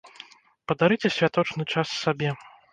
Падарыце святочны час сабе!